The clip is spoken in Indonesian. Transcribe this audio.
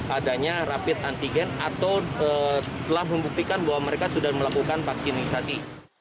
adanya rapid antigen atau telah membuktikan bahwa mereka sudah melakukan vaksinasi